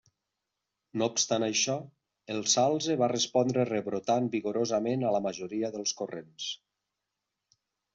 No obstant això, el salze va respondre rebrotant vigorosament a la majoria dels corrents.